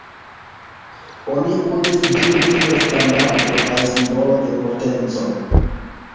Oni uzis ĝin kiel standardo kaj simbolo de potenco.